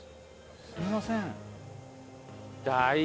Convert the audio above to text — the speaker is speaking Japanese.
すみません。